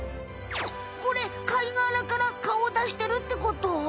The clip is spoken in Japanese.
これ貝がらからかおをだしてるってこと？